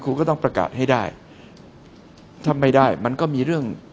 คุณก็ต้องประกาศให้ได้ถ้าไม่ได้มันก็มีเรื่อง